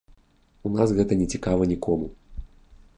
У нас гэта нецікава нікому.